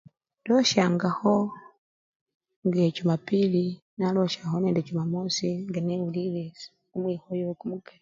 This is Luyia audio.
Ndosyangakho nga chumapili nalosyaho nende chumamozi nga newulile kumwihoyo kumikali.